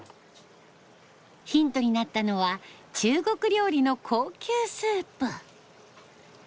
ヒントになったのは中国料理の高級スープ。